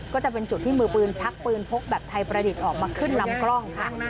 ก็จะเป็นจุดที่มือปืนชักปืนพกแบบไทยประดิษฐ์ออกมาขึ้นลำกล้องค่ะ